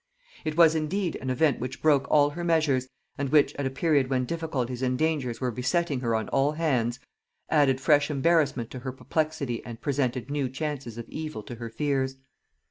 It was indeed an event which broke all her measures, and which, at a period when difficulties and dangers were besetting her on all hands, added fresh embarrassment to her perplexity and presented new chances of evil to her fears.